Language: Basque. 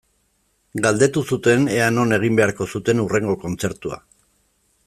Galdetu zuten ea non egin beharko zuten hurrengo kontzertua.